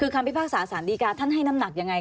คือคำพิพากษาสารดีการท่านให้น้ำหนักยังไง